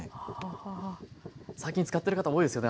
最近使ってる方多いですよね。